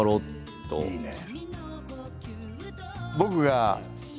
いいね。